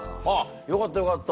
よかったよかった。